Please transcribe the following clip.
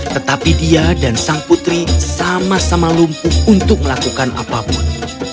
tetapi dia dan sang putri sama sama lumpuh untuk melakukan apapun